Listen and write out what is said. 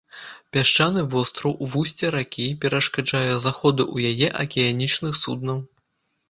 Пясчаны востраў у вусці ракі перашкаджае заходу ў яе акіянічных суднаў.